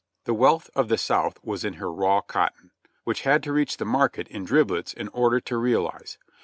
The wealth of the South was in her raw cotton, which had to reach the market in driblets in order to realize.